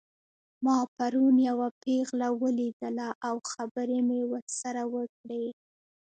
ما پرون یوه پیغله ولیدله او خبرې مې ورسره وکړې